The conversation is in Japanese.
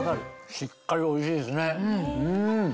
しっかりおいしいですねうん！